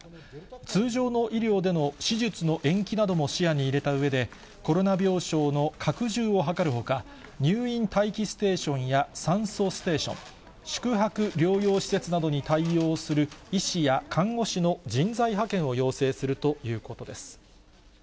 通常の医療での手術の延期なども視野に入れたうえで、コロナ病床の拡充を図るほか、入院待機ステーションや酸素ステーション、宿泊療養施設などに対応する医師や看護師の人材派遣を要請するということです。